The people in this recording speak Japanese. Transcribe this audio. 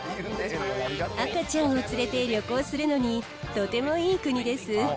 赤ちゃんを連れて旅行するのにとてもいい国です。